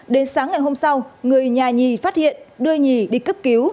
đến sáng ngày hôm sau người nhà nhì phát hiện đưa nhì đi cấp cứu